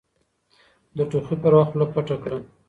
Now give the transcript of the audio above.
د ټوخي پر وخت خوله پټه کړه